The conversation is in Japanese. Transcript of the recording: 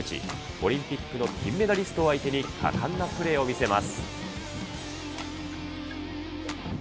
オリンピックの金メダリスト相手に果敢なプレーを見せます。